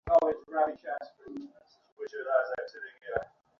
Thailand থেকে live ছবি আসছে।